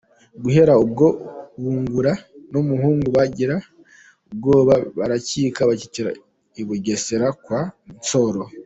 Guhera ubwo Bungura n’umuhungu bagira ubwoba baracika; bacikira i Bugesera kwa Nsoro.